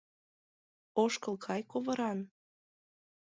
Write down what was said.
Ошкыл кай ковыран